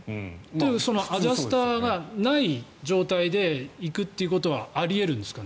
アジャスターがない状態で行くということはあり得るんですかね。